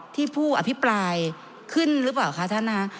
ผู้อภิปรายขึ้นหรือเปล่าคะท่านนะ